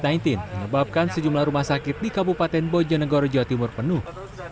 menyebabkan sejumlah rumah sakit di kabupaten bojonegoro jawa timur penuh